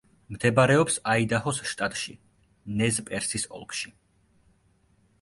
მდებარეობს აიდაჰოს შტატში, ნეზ-პერსის ოლქში.